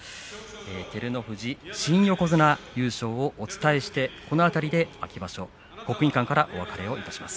照ノ富士新横綱優勝をお伝えしてこの辺り、秋場所国技館からお別れします。